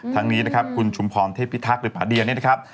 ทั้งนี้นะครับคุณชุมพรเทพิทักษ์หรือผาเดียเนี่ยนะครับ